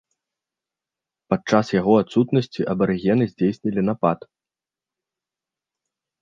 Падчас яго адсутнасці абарыгены здзейснілі напад.